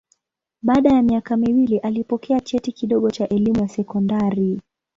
Baada ya miaka miwili alipokea cheti kidogo cha elimu ya sekondari.